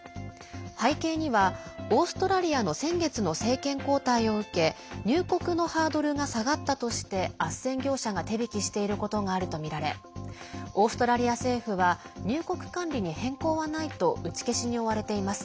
背景には、オーストラリアの先月の政権交代を受け入国のハードルが下がったとしてあっせん業者が手引きしていることがあるとみられオーストラリア政府は入国管理に変更はないと打ち消しに追われています。